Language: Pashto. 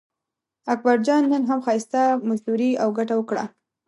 اکبرجان نن هم ښایسته مزدوري او ګټه وکړه.